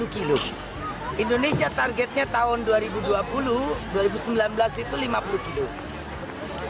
dua puluh kilo indonesia targetnya tahun dua ribu dua puluh dua ribu sembilan belas itu lima puluh kilo